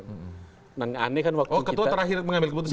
oh ketua terakhir mengambil keputusan